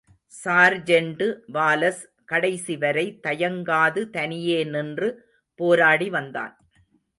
Sergeant Wallace கடைசிவரை தயங்காது தனியே நின்று போராடி வந்தான்.